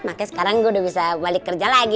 makanya sekarang gue udah bisa balik kerja lagi